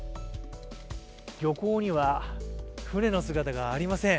漁港には船の姿がありません。